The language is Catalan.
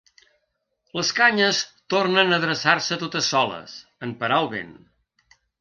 Les canyes tornen a adreçar-se totes soles, en parar el vent.